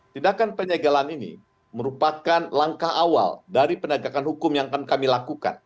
tindakan penyegalan ini merupakan langkah awal dari penegakan hukum yang akan kami lakukan